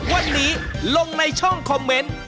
วันนี้ลงในช่องคอมเมนต์